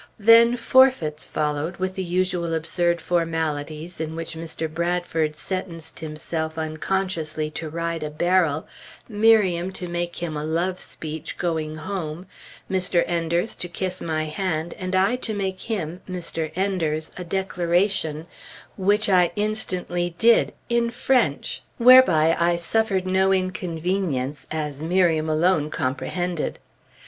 Then forfeits followed, with the usual absurd formalities in which Mr. Bradford sentenced himself unconsciously to ride a barrel, Miriam to make him a love speech going home, Mr. Enders to kiss my hand, and I to make him (Mr. Enders) a declaration, which I instantly did, in French, whereby I suffered no inconvenience, as Miriam alone comprehended.